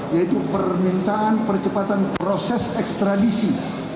yaitu permintaan percepatan proses ekstradisi